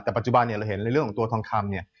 แต่ปัจจุบันเราเห็นในเรื่องของตัวทองคำ